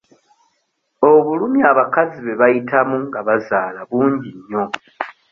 Obulumi abakazi bwe bayitamu nga bazaala bungi nnyo.